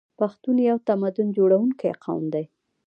پښتون یو تمدن جوړونکی قوم دی.